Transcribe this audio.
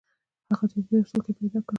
هغه د اوبو یو څاڅکی پیدا کړ.